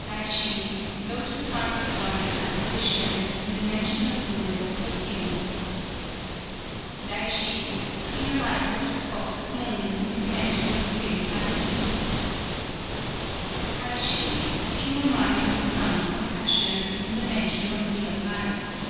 _ Daishi, Lotos Heart of Wondrous Apparition, in the Mansion of Luminous Perfume. Daishi, Clear Light of the Spotless Moon, in the Mansion of Spring time Eve. _Kaishi, Pure Mind as a Sun of Compassion, in the Mansion of Real Light.